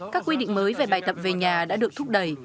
các quy định mới về bài tập về nhà đã được thúc đẩy